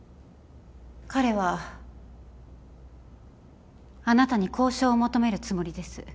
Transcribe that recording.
彼はあなたに交渉を求めるつもりです。